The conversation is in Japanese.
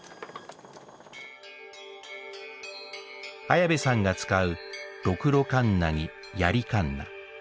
綾部さんが使う「ろくろかんな」に「やりかんな」。